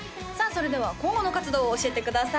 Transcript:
それでは今後の活動を教えてください